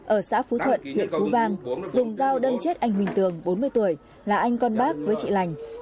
ở xã phú thuận huyện phú vang dùng dao đâm chết anh huỳnh tường bốn mươi tuổi là anh con bác với chị lành